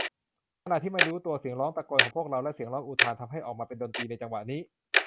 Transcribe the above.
ขณะที่ไม่รู้ตัว เสียงร้องตะโกนของพวกเรา และเสียงร้องอุทาน ทำให้ออกมาเป็นดนตรีในจังหวะนี้